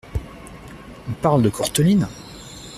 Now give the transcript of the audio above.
On parle de Courteline !